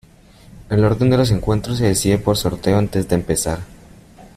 El orden de los encuentros se decide por sorteo antes de empezar.